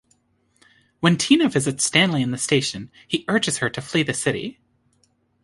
When Tina visits Stanley in the station, he urges her to flee the city.